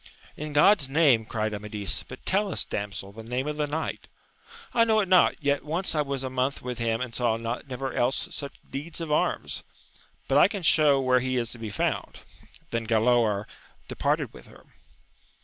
In God's name ! cried Amadis, but tell us, damsel, the name of the knight. — I know it not, yet once I was a month with him and saw never else such deeds of arms ; but I can show where he is to be found. Then Galaor departed with her.